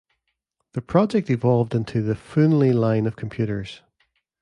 The project evolved into the Foonly line of computers.